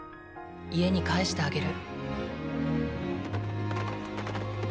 家に帰してあげる。